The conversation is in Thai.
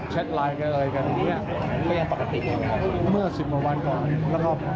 ส่วนเรื่องนี้มีลางสังหรณ์แล้วไหม